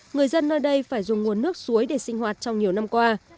người dân nơi đây phải dùng nguồn nước suối để sinh hoạt trong nhiều năm qua